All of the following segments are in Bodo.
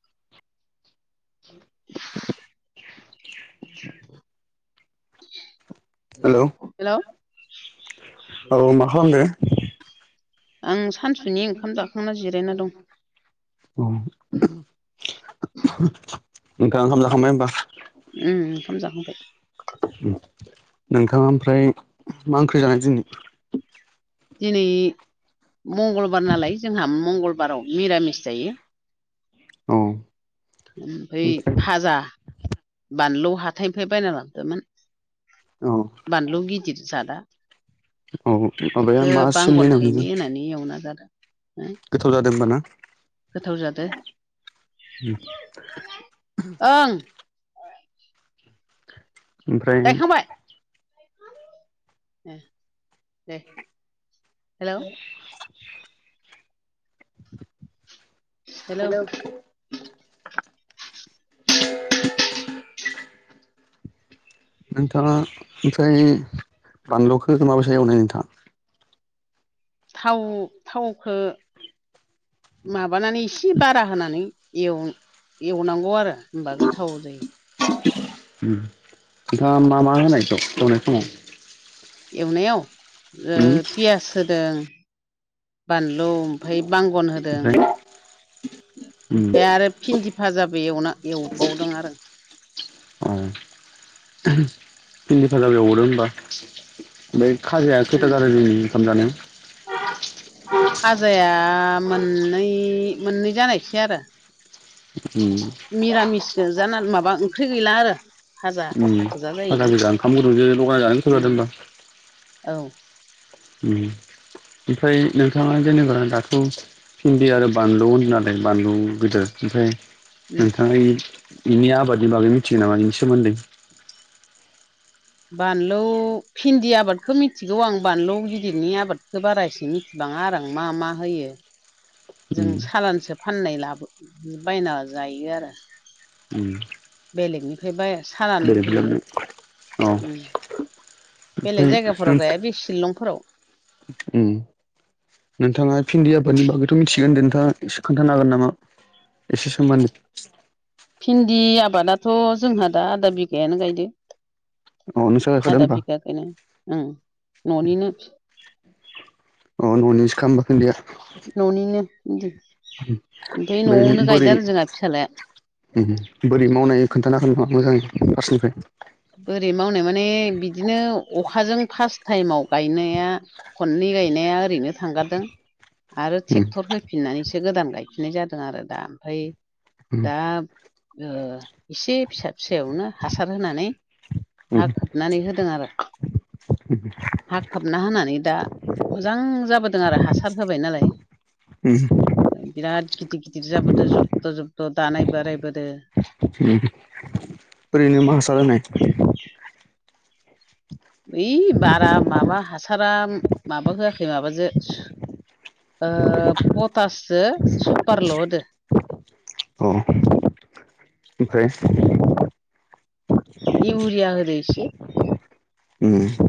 [inaudible] [inaudible] हेल' हेल' मा खालामदो आं सानसु सुनि ओंखाम जाखांना जिरायना दं अ नोंथांआ ओंखाम जाखांबाय होमबा ओंखाम जाखांबाय उ [inaudible] नोंथाङा ओमफ्राय मा ओंख्रि जानाय दिनि दिनै मंगलबार नालाय जोंहा मंगलबाराव मिरामिस जायो औ ओमफ्राय फाजा बानलु हाथायनिफ्राय बायना लाबोदोंमोन औ बानलु गिदिर जादा औ माबाया बेखौ मा सोलिनाय बांगन नोङो थायनै होनानै एवना जादों हो गोथाव जादों होमबाना गोथाव जादो ओम [inaudible] ओं ओमफ्राय गायखांबाय दे हेलौ हेल' [inaudible] [inaudible] हेलौ नोंथाङा ओमफ्राय बानलुखौ माबासो एवनाय नोंथाङा थाव थावखो माबानानै एसे बारा होनानै एवनांगौ आरो होमबा गोथाव जायो नोंथाङा मा मा होनायथ' एवनाय समाव एवनायाव उम पियास होदों बानलु ओमफ्राय बांगन होदों ओमफ्राय उम ओमफ्राय आरो फिनदिफाजाबो एवना एवबावदों आरो औ भिनदि भाजाबो एवबावदो होमबा बे खाजाया खैथा जादों जोंनि ओंखाम जानायाव [inaudible] हाजाया मोननै मोननै जानायसै आरो उ [inaudible] मिरामिस गोजाना माबा ओंख्रि गैला आरो भाजा उ गोजा फाजा जाहैबाय गोजा ओंखाम गुदुंजों लगायाना जानो गोथाव उम जादों होमबा औ ओमफ्राय नोंथाङा जेने गोनां दाथ' भिन्दी आरो बानलु होनदों नालाय बानलु गिदिर ओमफ्राय उम नोंथाङा बिनि आबादनि बागै मिथिगौ नामा बिनि सोमोन्दै बानलु भिन्दि आबादखौ मिथिगौ आं बानलु गिदिरनि आबादखौ बारा एसे मि बांङा आं आरो मा मा होयो जों उम सालानसो फाननाय लाबो बायना जायो आरो ओम बेलेगनिफ्राय बा सालान फैयो औ ओम बेलेग ओमफ्राय जायगाफोराव नों गाया बे शिलंफोराव उम नोंथाङा भिन्दियाफोरनि बागैथ' मिथिगोन होनदों नोंथाङा एसे खोनथानो हागोन नामा एसे सम मान भिन्दि आबादाथ' जोंहा दा आदा बिगायानो गायदो अ नोंसो गायखादो आदा होमबा बिगाखोनो ओ न'निनो अ ननि [unintelligible] न'निनोदि ओमफ्राय न'आवनो गायदो आरो जोंहा फिसालाया ओम बोरै मावनाय खोन्थानो हागोन नामा मोजांङै फासनिफ्राय बोरै मावनाय माने बिदिनो अखाजों फार्स्ट टाइमाव गायनाया खननै गायनाया ओरैनो थांगारदों आरो उम ट्रेक्टर होफिननानैसो गोदान गायफिननाय जादों आरो दा ओमफ्राय उम दा ओ एसे फिसा फिसायावनो हासार होनानै हा उम खोबनानै होदों आरो [inaudible] हा खोबना होनानै दा मोजां जाबोदों आरो हासार होबाय नालाय ओम बिराद गिदिर गिदिर जाबोदों जब्द' जब्द' दानाय बारायबोदों ओम ओरैनो मा हासार होनाय ओइ बारा माबा हासारा माबा होआखै माबाजों ओ पटाससो सुपारल' होदो औ ओमफ्राय इउरिया होनायसो ओम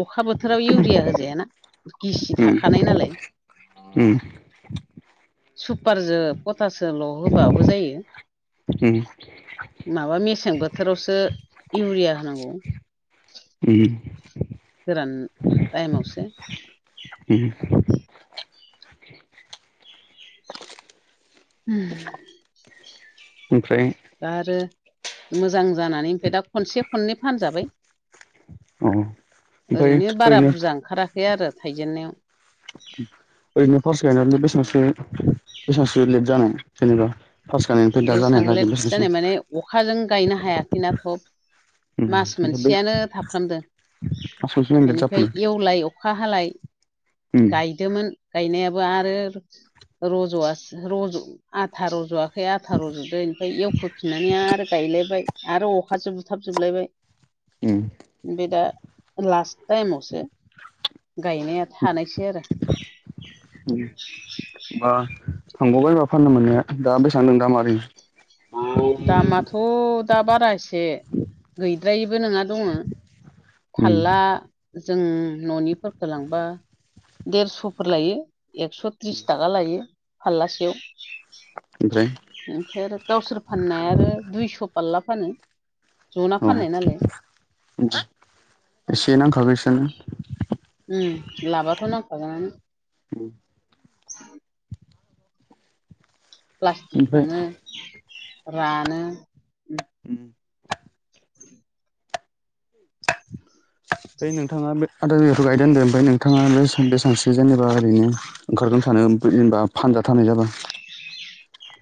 अखा बोथोराव इउरिया होजायाना गिसि उम थाखानाय नालाय उम सुपारजों पटासजोंल' होबाबो जायो ओम माबा मेसें बोथोरावसो इउरिया होनांगौ ओम गोरान टाइमावसो ओम ओम ओमफ्राय दा आरो मोजां जानानै ओमफ्राय दा खनसे खननै फानजाबाय अ ओरैनो बारा बुरजा ओंखाराखै आरो थाइजेननायाव ओरैनो पार्स गायनानै बेसेबांसो बेसेबांसो लेट जानाय जेनेबा पास गायनायनिफ्रायै दा बे सांलेद जानायलागै जानाय बिसोरसो माने अखाजों गायनो हायाखैना थब उम मास ओमफ्राय बे मोनसेयानो थाफ्रामदों मास मोनसे लेट बेनिफ्राय जाफैदों एवलाय अखा हालाय ओम गायदोंमोन गायनायाबो आरो रज'आ रज' आथा रज'वा ओमफ्राय आथा र'जदो ओमफ्राय आरो गायलायबाय आरो अखासो बुथाबजोबलायबाय [inaudible] ओम बे दा लास्ट टाइमावसो गायनाया थानायसै आरो हबा थांबावबायबा फाननो मोननाया। [unintelligible] दा बे सान दा [unintelligible] [unintelligible] दामाथ' दा बारा एसे गैद्रायैबो नङा दङ। उम फारला जों न'निफोरखौ लांबा देरस'फोर लायो एक्स' त्रिस थाखा लायो फाललासेयाव ओमफ्राय। ओमफ्राय आरो गावसोर फाननाया आरो दुइस' फालला फानो। जना औ फाननाय नालाय से नांखागो बेसनो ओ लाबाथ' नांखागोनानो औ [unintelligible] प्लास्टिक ओमफ्राय थाङो रानो उ [inaudible] [inaudible] नोंथाङा बे आदा बिगाखौ' गायददों होनदों ओमफ्राय नोंथाङा बे बेसेबांस्रि जेनेबा ओरैनो ओंखारगोन सानो जेनेबा फानजाथ जाबा।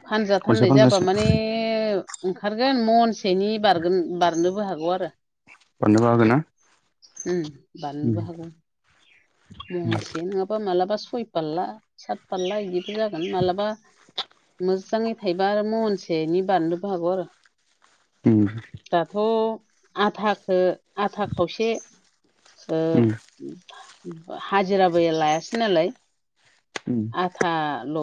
फानज खनसे थाननाय जाबा फानगासेयाव माने माने ओंखारगोन महनसेनि बारगोन बारनोबो हागौ आरो। बारनो बो हागोन ना उ बारनोबो हागौ महनसे नङाबा मालाबा सय स बारला, सात बारला बिदिबो जागोन। माबलाबा मोजाङै थाइबा आरो महनसेनि बारनोबो हागौ आरो। उ दाथ' आदाखौ आदा खावसे ओ हाजिराबो लायासै नालाय उ आदाल'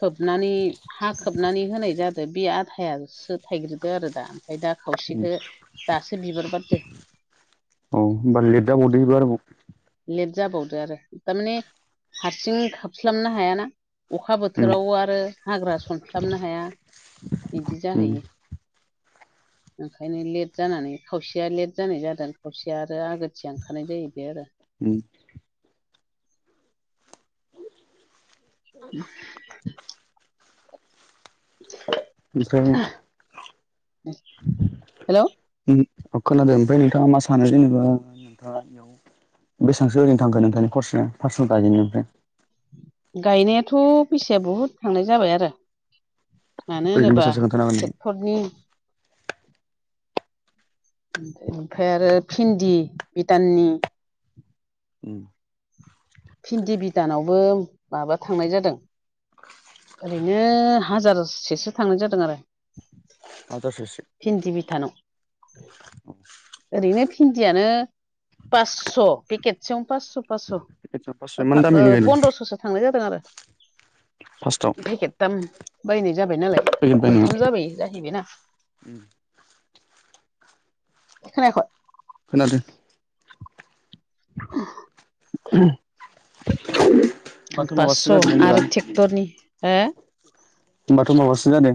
खोबनानै हा खोबनानै होनाय जादों। बे आदायासो थायग्रोदो आरो दा ओमफ्राय दा खावसेखौ दासो बिबार बारदों। औ बाल ले दा बदबार [unintelligible] लेट जाबावदों आरो थारमाने हारसिं खोबस्लाबनो हायाना। अखा उम बोथोराव आरो हाग्रा सनस्लाबनो हाया बिदि उम जाहैयो। [inaudible] ओंखायनो लेट जानानै खावसेया लेट जानाय जादों। खावसेया आरो आगोरथिया ओंखारनाय जायो बे आरो। उ [unintelligible] [unintelligible] हेल' खोनादों ओमफ्राय नोंथाङा मा सानो जेनेबा नोंथाङा? बेसेबां सो ओरै थांगोन नोंथांनि कर्स पारसनेल गायजेननायनिफ्राइ गायनायाथ' फैसाया बहुद थांनाय जाबाय आरो। मानो ओरैनो होनोबा बेसेबांसो खोन्थानो हागोन नों ट्रेक्टरनि ओमफ्राय आरो भिन्दि भटाननि [unintelligible] उ [inaudible] भिन्दि बिदानावबो माबा थांनाय जादों। ओरैनो हाजारसेसो थांनाय जादों आरो। [unintelligible] भिन्दि बिथानाव ओरैनो भिन्दियानो पासस' पेकेटसेयावनो पासस' पासस' फासस' इमान ओ दामिनि गायदों पन्द्रस'सो थांनाय जादों आरो फार्स्टआव पेकेट दाम बायनाय जाबाय नालाय पेकेट बायनायाव खनथाम जाबाय जाहैबायना खोनायाखै खोनादों [unintelligible] पास्स' जादों जेनेबा आरो ट्रेक्टरनि हो होनोमबाथ' माबासो जादों?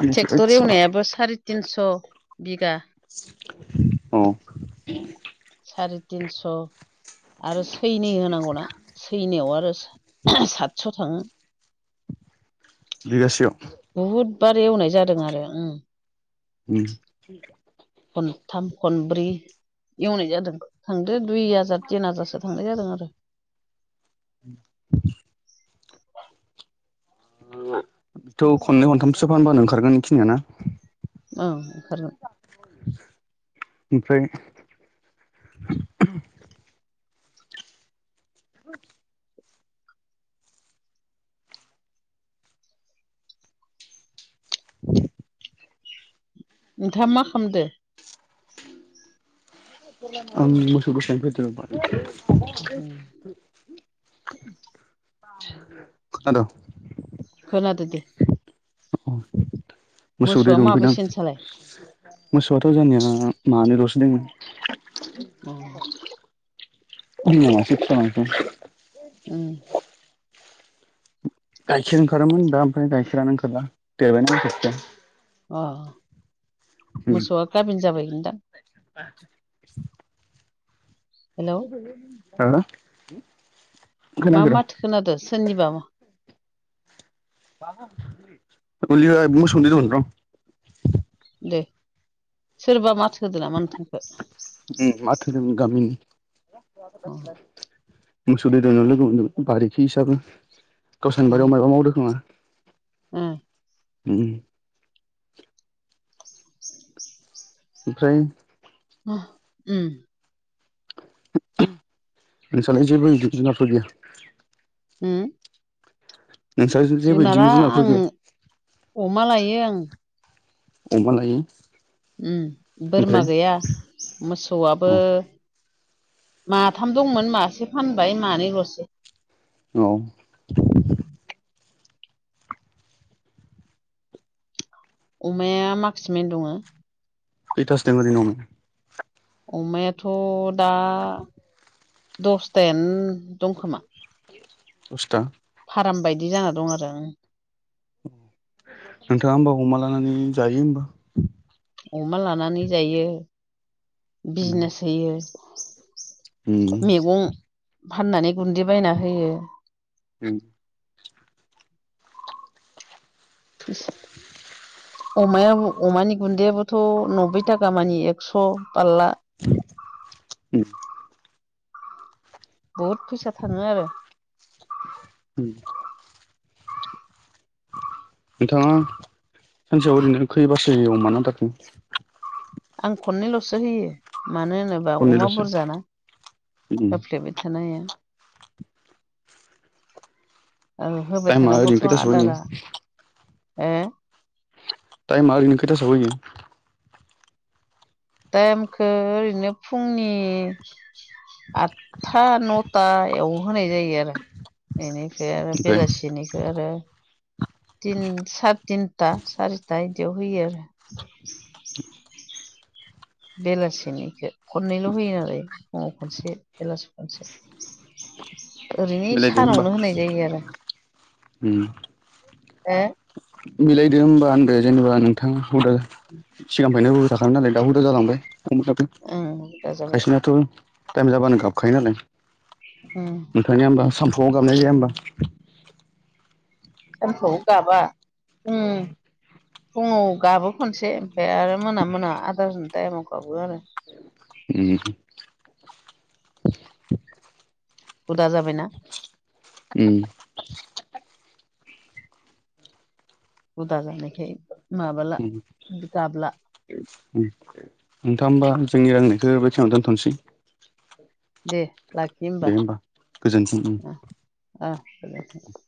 ओइद ट्रेक्टर साला एवनायाबो साराय तिनस' बिगा अ साराय तिनस' आरो सैनै होनांगौना। सैनायाव आरो सातस' थाङो। बिगासेयाव बहुदबार एवनाय जादों आरो ओम उम खनथाम खनब्रै एवनाय जादों थांदो दुइ हाजार तिन हाजारसो थांनाय जादों आरो [inaudible] थ' खननै खनथामसो फानबानो ओंखारगोन इखिनियाना औ ओमफ्राय [unintelligible] [unintelligible] नोंथाङा मा खालामदो आं मोसौ दोस्लायनो फैदों [unintelligible] खोनादों खोनादो दे मोसौ दै मोसौआ दंफैदां माबैसे नोंसालाय मोसौआथ' जानिया मानैल'सो दंमोन औ [unintelligible] उम गाइखेर ओंखारोमोन दा ओमफ्राय गाइखेरानो ओंखारला देरबायना मोसौ फिसाया अ मोसौआ गाबिन जाबायदां [unintelligible] हेलौ [unintelligible] मा र' माथो खोनादो सोरनिबा [unintelligible] मोसौनो दै दौनो र' दे सोरबा माथो होदो नामा नोंथांखौ ओम माथो होदोंमोन गामिनि मोसौ दै दौनायावनो लोगो मोनदोंमोन बारिखि हिसाबै गावसानि बारियाव माबा मावदों खोमा उम ओम [unintelligible] ओमफ्राय [unintelligible] ओम नोंसालाय जेबो जुनारफोर गैया होम नोंस्रा जेबो जुनारा बिदिनो जुनारफोर आं गैया अमा लायो आं अमा लायो उ बोरमा ओमफ्राय गैया मोसौआबो औ माथाम दंमोन मासे फानबाय मानैल'से औ अमाया माखासेमनो दङ इथास ददों ओर ननो अमायाथ' दा दसथायानो दंखोमा दस्था फाराम बायदि जाना दं आरो ओं नोंथाङा होमबा अमा लानानै जायो होमबा अमा लानानै जायो बिजनेस होयो उम मैगं फाननानै गुन्दै बायना होयो द बिस अमायाबो अमानि गुन्दैाबोथ' नब्बै थाखा मानि एकस' बारला उ बहुद फैसा थाङो आरो उ नोंथाङा सानसेयाव ओरैनो खै बासो अ मा दार आं खननैल'सो होयो मानो होनोबा अमा खननैल'सो बुरजा ना उम होफ्लेबाय थानाय हा होबाय टाइमा ओरैनो थानांगौथ' खैथासोआव होयो आदारा हो टाइमा ओरै खथासो होैयो टाइमखौो ओरैनो फुंनि आठथा नथाव होनाय जायो आरो बेनिफ्राय आरो ओमफ्राय बेलासिनिखौ आरो तिन सत थिनथा सारिथा बिदियाव होयो आरो बेलासिनिखौ खननैल' होयोोन आरो फुङाव खनसे बेलासि खनसे ओरैनो मिलायदो सानावनो होनाय जायो आरो उ ए मिलायदो होमबा होनदो जेनेबा नोंथाङा हदाल सिगांफ्रायायनो जाखाग नालाय दाउ हु दा जालांबाय दाो ओं हुदा जाबाय खायसेनाथ' टाइम जाब्लानो गाबखायो नालाय [unintelligible] थांा ह होनबा सानुआव गाबनाय जाया ह होनोमबा सानखौ गाबा फ फुङाव गाबो खनसे ओमफफ्राय आरो मोना मोना आदार न्टा टाइमाव खाबो आरो ए एे हुदा जाबायना ए हदा जानायखाय माबाला उम गाबला नोंथां होमबा जोंनि रोंनायखौ बेखेाव दोनथ'नोसै दे लाखि होमबा दे गोजोन्थों गोजोनथों